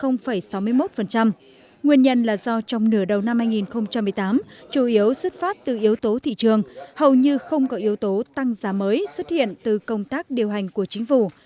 nguyên nhân là do trong nửa đầu năm hai nghìn một mươi tám chủ yếu xuất phát từ yếu tố thị trường hầu như không có yếu tố tăng giá mới xuất hiện từ công tác điều hành của chính phủ